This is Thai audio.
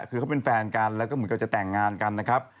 คือเขาเป็นแฟนกันแล้วก็เหมือนกับจะแต่งงานกันนะครับ